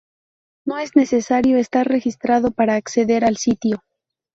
No es necesario estar registrado para acceder al sitio.